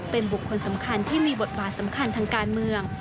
เป็นบุคคลสำคัญที่มีบทบาทสำคัญทางการเมือง